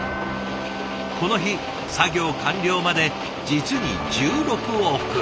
この日作業完了まで実に１６往復。